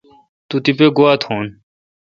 تو تیپہ گوا تھون۔